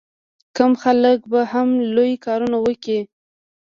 کم خلک به هم لوی کارونه وکړي.